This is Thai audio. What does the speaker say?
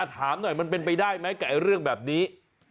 ถามหน่อยมันเป็นไปได้ไหมกับเรื่องแบบนี้